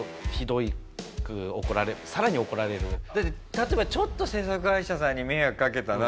例えば「ちょっと制作会社さんに迷惑掛けたな」